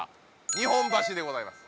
日本橋でございます